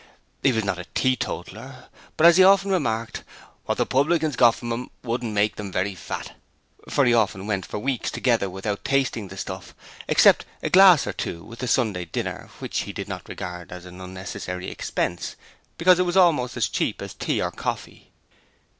He was not a teetotaller, but as he often remarked, 'what the publicans got from him wouldn't make them very fat', for he often went for weeks together without tasting the stuff, except a glass or two with the Sunday dinner, which he did not regard as an unnecessary expense, because it was almost as cheap as tea or coffee.